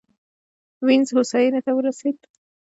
وینز هوساینې ته ورسېد.